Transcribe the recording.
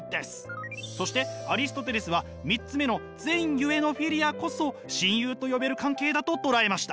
そしてアリストテレスは３つ目の善ゆえのフィリアこそ親友と呼べる関係だと捉えました。